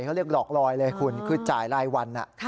เขาเรียกหลอกลอยเลยคุณคือจ่ายรายวัน